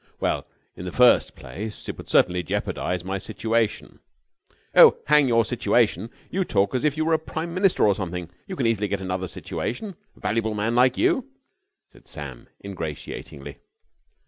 "Well, in the first place, it would certainly jeopardise my situation...." "Oh, hang your situation! You talk as if you were Prime Minister or something. You can easily get another situation. A valuable man like you," said Sam, ingratiatingly.